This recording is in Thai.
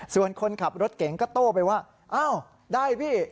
ส่วนคนขับรถเก่งก็โต้ไปว่าอ้าวได้พี่